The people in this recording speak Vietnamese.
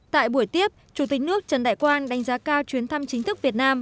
tại buổi tiếp chủ tịch nước trần đại quang đánh giá cao chuyến thăm chính thức việt nam